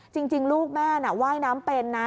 จริงลูกแม่น่ะว่ายน้ำเป็นนะ